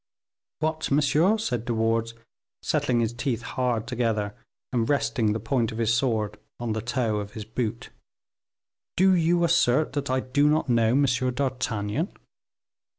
"What, monsieur," said De Wardes, setting his teeth hard together, and resting the point of his sword on the toe of his boot, "do you assert that I do not know M. d'Artagnan?"